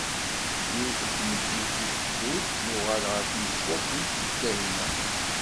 Yiwet n tmeddit deg tefsut, nuɣal ɣer tnezduɣt nekk d Kahina.